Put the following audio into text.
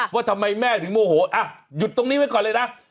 ว่าทำไมแม่ถึงโมโหหยุดตรงนี้ไว้ก่อนเลยนะ